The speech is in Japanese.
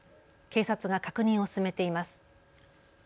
警察が確認を進めています。